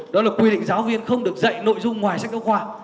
đó là quy định giáo viên không được dạy nội dung ngoài sách giáo khoa